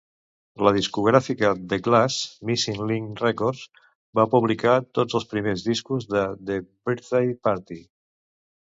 La discogràfica de Glass, Missing Link Records, va publicar tots els primers discos de The Birthday Party.